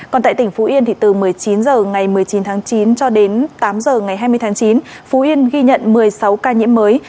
còn tại tỉnh phú yên thì từ một mươi chín h ngày một mươi chín tháng chín cho đến tám h ngày hai mươi tháng chín phú yên ghi nhận một mươi sáu ca nhiễm mới